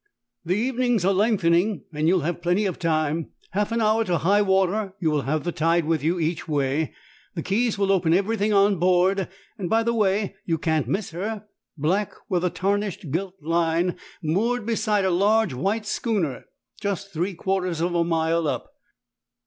"The evenings are lengthening, and you will have plenty of time. Half an hour to high water; you will have the tide with you each way. The keys will open everything on board. By the way, you can't miss her black, with a tarnished gilt line, moored beside a large white schooner, just three quarters of a mile up.